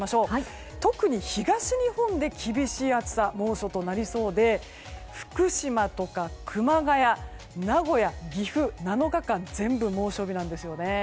特に東日本で厳しい暑さ猛暑となりそうで福島とか熊谷、名古屋、岐阜７日間、全部猛暑日なんですね。